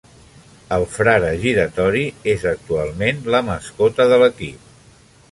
El "Frare giratori" és actualment la mascota de l'equip.